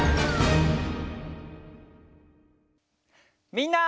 みんな。